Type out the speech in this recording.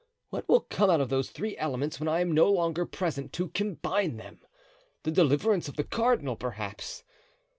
What will come out of those three elements when I am no longer present to combine them? The deliverance of the cardinal, perhaps.